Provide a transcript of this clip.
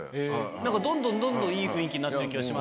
なんかどんどんどんどんいい雰囲気になってる気がしますけど。